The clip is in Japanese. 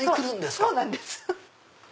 そうなんです。